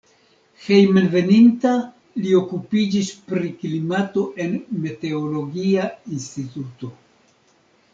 Hejmenveninta li okupiĝis pri klimato en meteologia instituto.